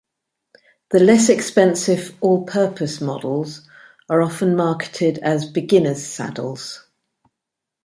The less-expensive "all-purpose" models are often marketed as beginner's saddles.